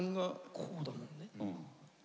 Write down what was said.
こうだもんね？